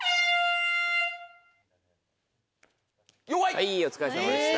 はいお疲れさまでした。